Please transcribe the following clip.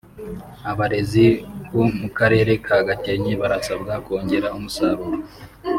Abarezi bo mu Karere ka Gakenke barasabwa kongera umusaruro